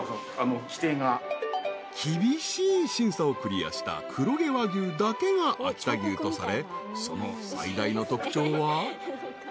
［厳しい審査をクリアした黒毛和牛だけが秋田牛とされその最大の特徴は］